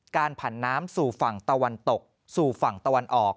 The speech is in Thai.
ผ่านน้ำสู่ฝั่งตะวันตกสู่ฝั่งตะวันออก